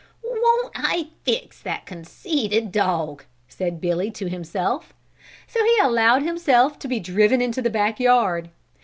"Won't I fix that conceited dog!" said Billy to himself. So he allowed himself to be driven into the back yard.